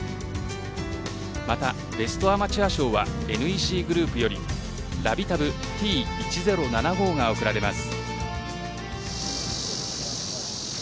またベストアマチュア賞はＮＥＣグループよりＬＡＢＩＥＴａｂＴ１０７５が贈られます。